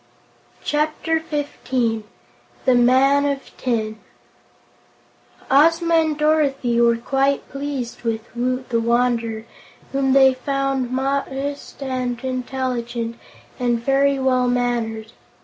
Chapter Fifteen The Man of Tin Ozma and Dorothy were quite pleased with Woot the Wanderer, whom they found modest and intelligent and very well mannered.